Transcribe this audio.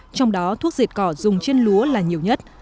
trong đó thuốc diệt cỏ dùng trên lúa là nhiều nhất